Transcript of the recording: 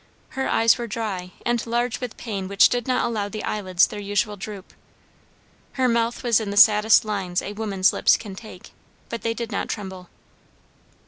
Her eyes were dry, and large with pain which did not allow the eyelids their usual droop; her mouth was in the saddest lines a woman's lips can take, but they did not tremble.